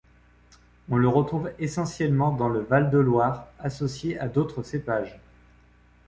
On le retrouve essentiellement dans le Val de Loire associé à d'autres cépages.